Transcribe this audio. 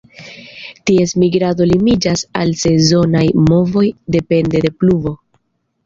Ties migrado limiĝas al sezonaj movoj depende de pluvo.